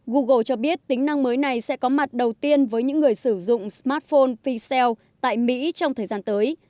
google cho biết tính năng mới này sẽ có mặt đầu tiên với những người sử dụng smartphone picel tại mỹ trong thời gian tới